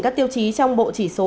các tiêu chí trong bộ chỉ số